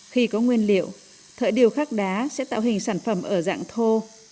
khi có nguyên liệu thợ điều khác đá sẽ tạo hình sản phẩm ở dạng thô